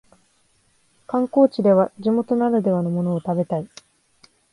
観光地では地元ならではのものを食べたい